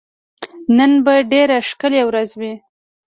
نن به ډېره ښکلی ورځ وي